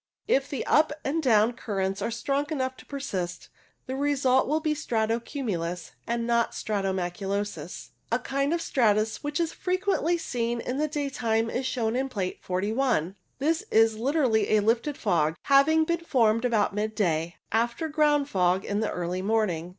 If the up and down currents are strong enough to persist, the result will be strato cumulus and not stratus maculosus. A kind of stratus which is frequently seen in the daytime is shown in Plate 41. This is literally a lifted fog, having been formed about mid day, after ground fog in the early morning.